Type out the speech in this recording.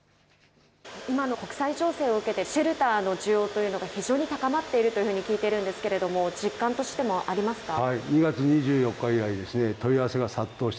今の国際情勢を受けて、シェルターの需要というのが非常に高まっているというふうに聞いてるんですけれども、実感としてもありますか？